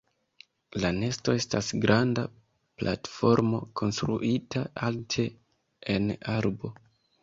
La nesto estas granda platformo konstruita alte en arbo.